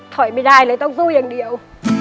ถอยไม่ได้เลยต้องสู้อย่างเดียว